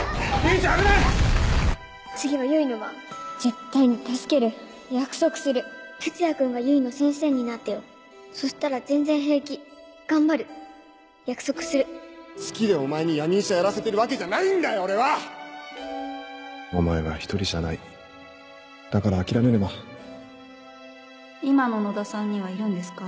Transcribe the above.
次は唯の番絶対に助ける約束する哲也君が唯の先生になってよそしたら全然平気頑張る約束する好きでお前に闇医者やらせてるわけじお前は１人じゃないだから諦めるな今の野田さんにはいるんですか？